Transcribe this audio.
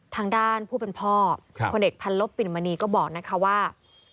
ทางด้านผู้เป็นพ่อพลเอกพันลบปิ่นมณีก็บอกนะคะว่า